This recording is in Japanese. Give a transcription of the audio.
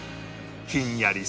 ひんやり